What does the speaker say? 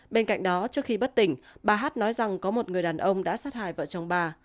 bên cạnh đó trước khi bất tỉnh bà hát nói rằng có một người đàn ông đã sát hại vợ chồng bà